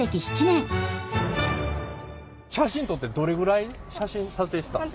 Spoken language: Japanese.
写真撮ってどれぐらい写真撮影したん？